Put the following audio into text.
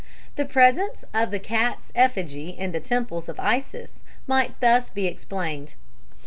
"The presence of the cat's effigy in the temples of Isis might thus be explained.